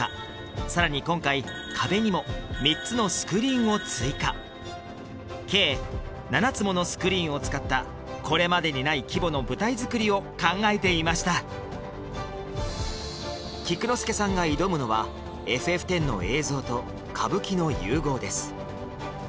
さらに今回壁にも３つのスクリーンを追加計７つものスクリーンを使ったこれまでにない規模の舞台作りを考えていました菊之助さんが挑むのは「ＦＦⅩ」の映像と歌舞伎の融合です